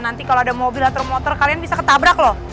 nanti kalau ada mobil atau motor motor kalian bisa ketabrak loh